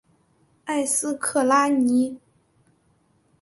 埃斯克拉尼。